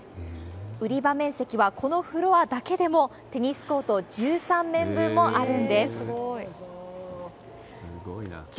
売り場面積はこのフロアだけでも、テニスコート１３面分もあるんですごい。